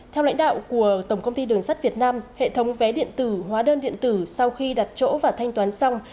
theo lãnh đạo của tổng công ty đường sắt việt nam hệ thống vé điện tử hóa đơn điện tử sau khi đặt chỗ và thanh toán xong